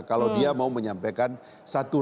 kalau dia mau menyampaikan satu rahasia negara atau satu hal